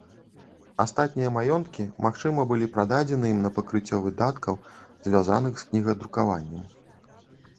Астатнія маёнткі, магчыма, былі прададзены ім на пакрыццё выдаткаў, звязаных з кнігадрукаваннем.